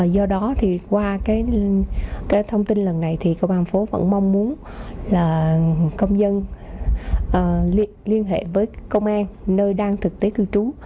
do đó thì qua cái thông tin lần này thì công an phố vẫn mong muốn là công dân liên hệ với công an nơi đang thực tế cư trú